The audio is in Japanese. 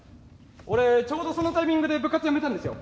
俺ちょうどそのタイミングで部活やめたんですよ。